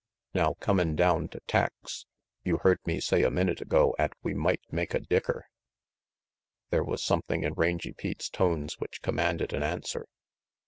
Now, comin' down to tacks, you heard me say a minute ago 'at we might make a dicker." There was something in Rangy Pete's tones which commanded an answer.